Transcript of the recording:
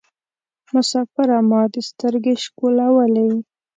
مسافره ما دي سترګي شکولولې